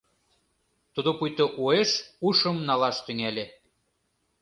Тудо пуйто уэш ушым налаш тӱҥале.